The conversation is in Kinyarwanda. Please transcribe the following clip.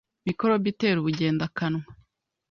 Mikorobe itera ubugendakanwa